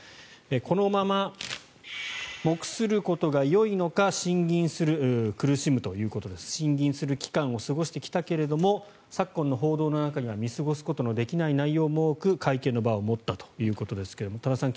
このまま黙することがよいのかしんぎんする苦しむということですしんぎんする期間を過ごしてきたけれども昨今の報道の中には見過ごすことのできない内容も多く会見の場を持ったということですが多田さん